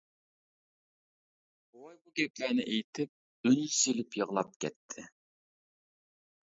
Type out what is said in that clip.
بوۋاي بۇ گەپلەرنى ئېيتىپ ئۈن سېلىپ يىغلاپ كەتتى.